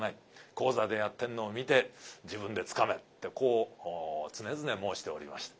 高座でやってるのを見て自分でつかめ」ってこう常々申しておりました。